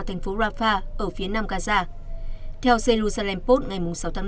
thành phố rafah ở phía nam gaza theo jerusalem post ngày sáu tháng năm